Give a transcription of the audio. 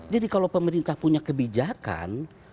jadi kalau pemerintah punya kebijakan